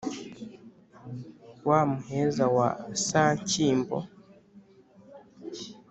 wa muheza wa sanshyimbo